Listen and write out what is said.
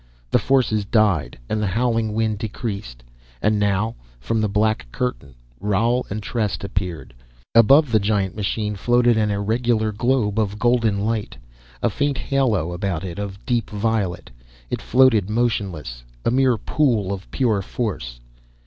The forces died, and the howling wind decreased, and now, from the black curtain, Roal and Trest appeared. Above the giant machine floated an irregular globe of golden light, a faint halo about it of deep violet. It floated motionless, a mere pool of pure force.